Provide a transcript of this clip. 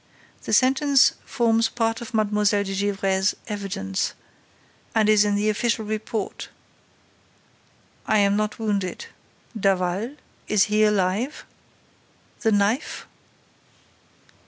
The sentence forms part of Mlle. de Gesvres' evidence and is in the official report: 'I am not wounded.—Daval?—Is he alive?—The knife?